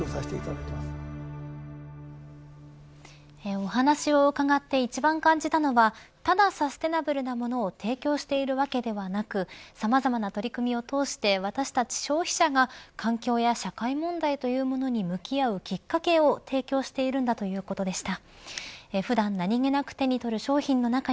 お話を伺って一番感じたのはただサステナブルなものを提供しているわけではなくさまざまな取り組みを通して私たち消費者が環境や社会問題というものに向き合うきっかけを提供しているんだということでした。